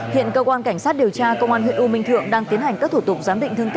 hiện cơ quan cảnh sát điều tra công an huyện u minh thượng đang tiến hành cấp thuật